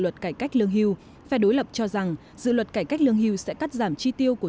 luật cải cách lương hưu phe đối lập cho rằng dự luật cải cách lương hưu sẽ cắt giảm chi tiêu của